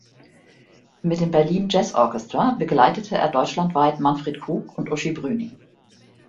Mit dem "Berlin Jazz Orchestra" begleitete er deutschlandweit Manfred Krug und Uschi Brüning.